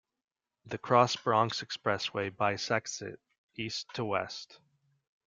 The Cross Bronx Expressway bisects it, east to west.